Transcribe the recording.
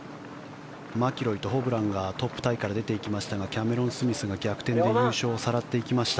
マキロイとホブランがトップタイから出ていきましたがキャメロン・スミスが逆転で優勝をさらっていきました。